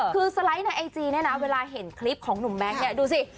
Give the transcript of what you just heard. คือสไลด์ในไอจีเนี่ยนะเวลาเห็นคลิปของหนุ่มแบงค์เนี่ยดูสิ